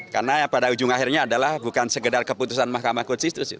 karena pada ujung akhirnya adalah bukan segedar keputusan mahkamah konstitusi